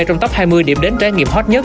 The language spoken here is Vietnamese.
trong top hai mươi điểm đến trải nghiệm hot nhất